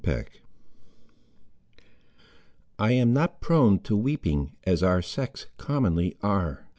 CHAPTER XXVI I am not prone to weeping, as our sex Commonly are.